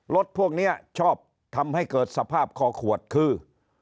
รถพวกนี้ชอบทำให้เกิดสภาพคอขวดคือ